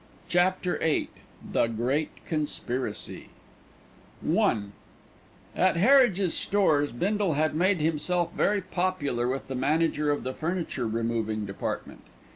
CHAPTER VIII THE GREAT CONSPIRACY I At Harridge's Stores Bindle had made himself very popular with the manager of the Furniture Removing Department.